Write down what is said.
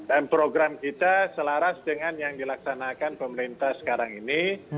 dan program kita selaras dengan yang dilaksanakan pemerintah sekarang ini